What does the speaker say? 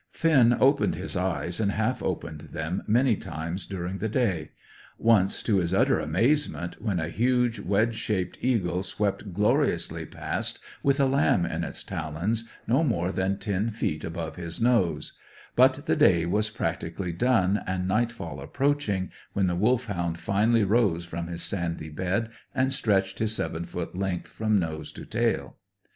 Finn opened his eyes, and half opened them, many times during the day; once, to his utter amazement, when a huge wedge tailed eagle swept gloriously past with a lamb in its talons no more than ten feet from his nose; but the day was practically done, and nightfall approaching, when the Wolfhound finally rose from his sandy bed and stretched his seven foot length from nose to tail.